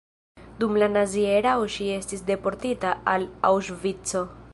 Dum la nazia erao ŝi estis deportita al Aŭŝvico.